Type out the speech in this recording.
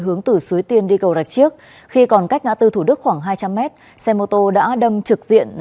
hướng từ suối tiên đi cầu rạch chiếc khi còn cách ngã tư thủ đức khoảng hai trăm linh mét xe mô tô đã đâm trực diện